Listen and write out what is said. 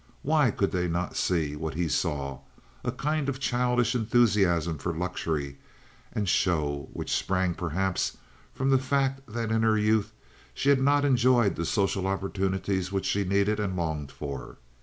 Why could they not see what he saw—a kind of childish enthusiasm for luxury and show which sprang, perhaps, from the fact that in her youth she had not enjoyed the social opportunities which she needed and longed for.